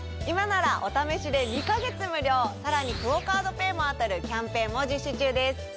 今ならお試しで２か月無料さらにＱＵＯカードＰａｙも当たるキャンペーンも実施中です。